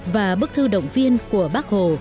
và bức thư động viên của bác hồ